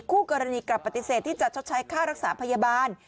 คู่กรณีกลับปฏิเสธที่จะชดใช้ค่ารักษาพยาบาล